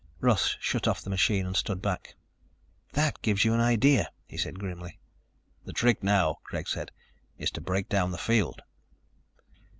Russ shut off the machine and stood back. "That gives you an idea," he said grimly. "The trick now," Greg said, "is to break down the field."